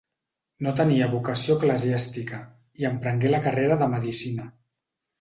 No tenia vocació eclesiàstica, i emprengué la carrera de medicina.